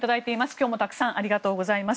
今日もたくさんありがとうございます。